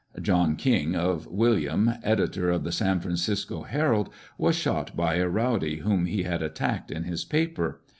John King, of William, editor of the San Francisco Herald, was shot by a rowdy, whom lie had attacked in his paper.